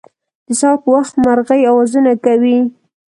د سهار په وخت مرغۍ اوازونه کوی